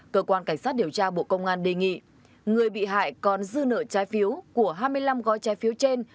cơ quan cảnh sát điều tra bộ công an đề nghị người bị hại còn dư nợ trái phiếu của hai mươi năm gói trái phiếu trên